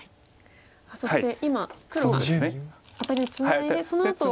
そして今黒がアタリでツナいでそのあとすぐに。